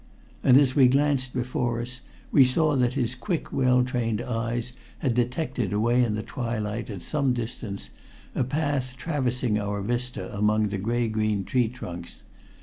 And as we glanced before us we saw that his quick, well trained eyes had detected away in the twilight, at some distance, a path traversing our vista among the gray green tree trunks.